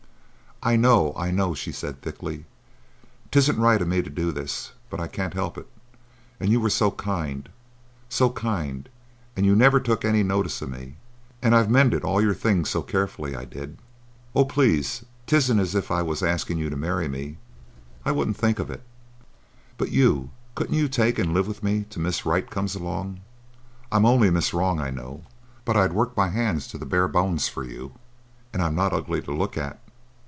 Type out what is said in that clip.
"I know,—I know," she said thickly. "'Tisn't right o' me to do this, but I can't help it; and you were so kind,—so kind; and you never took any notice o' me. And I've mended all your things so carefully,—I did. Oh, please, 'tisn't as if I was asking you to marry me. I wouldn't think of it. But you—couldn't you take and live with me till Miss Right comes along? I'm only Miss Wrong, I know, but I'd work my hands to the bare bone for you. And I'm not ugly to look at.